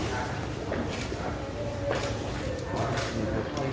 เป็นเรื่องทำไมคะ